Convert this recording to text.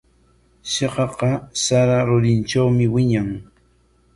Shitqaqa sara rurintrawmi wiñan.